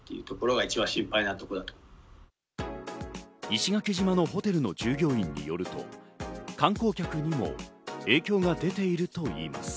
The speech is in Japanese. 石垣島のホテルの従業員によると、観光客にも影響が出ているといいます。